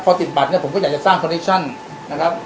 พอติดบัตรเนี้ยผมก็อยากจะสร้างนะครับ